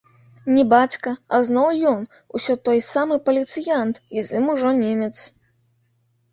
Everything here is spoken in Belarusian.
Не бацька, а зноў ён, усё той самы паліцыянт, і з ім ужо немец.